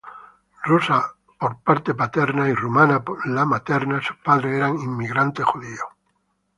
Rusa por parte paterna y rumana por materna, sus padres eran inmigrantes judíos.